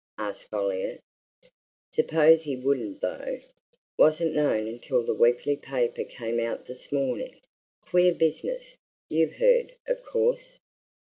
asked Folliot. "Suppose he wouldn't though wasn't known until the weekly paper came out this morning. Queer business! You've heard, of course?"